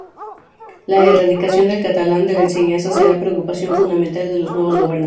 La erradicación del catalán de la enseñanza será preocupación fundamental de los nuevos gobernantes.